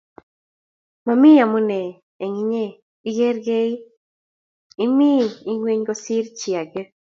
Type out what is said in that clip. mami amune eng inye igergei imi ingweny kosir chi age